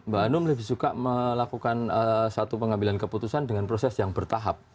mbak hanum lebih suka melakukan satu pengambilan keputusan dengan proses yang bertahap